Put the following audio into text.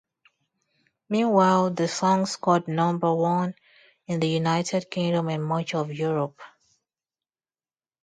Meanwhile, the song scored number one in the United Kingdom and much of Europe.